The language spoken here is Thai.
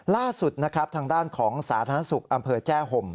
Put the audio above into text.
ล่าสุดนะครับทางด้านของสาธารณสุขอำเภอแจ้ห่ม